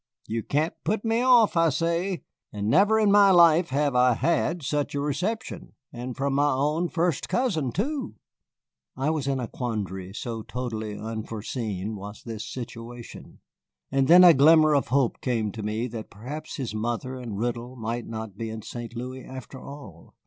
You can't put me off, I say. But never in my life have I had such a reception, and from my own first cousin, too." I was in a quandary, so totally unforeseen was this situation. And then a glimmer of hope came to me that perhaps his mother and Riddle might not be in St. Louis after all.